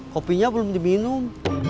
kopinya belum diminum